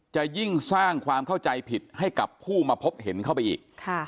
จะยิ่งสร้างความเข้าใจผิดให้กับผู้มาพบเห็นเข้าไปอีก